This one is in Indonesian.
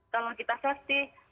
kalau kita safety